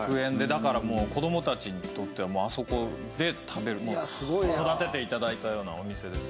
だからもう子どもたちにとってはあそこで食べる育てて頂いたようなお店ですね。